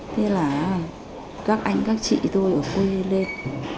thế là các anh các chị tôi ở quê lên